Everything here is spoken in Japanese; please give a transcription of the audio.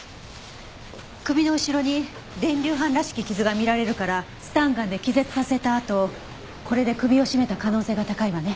首の後ろに電流斑らしき傷が見られるからスタンガンで気絶させたあとこれで首を絞めた可能性が高いわね。